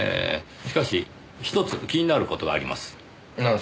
しかしひとつ気になる事があります。